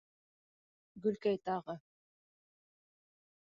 Гөлкәй тағы: